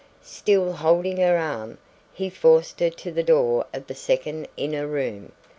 Still holding her arm, he forced her to the door of the second inner room.